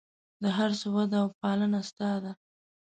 د هر څه وده او پالنه ستا ده.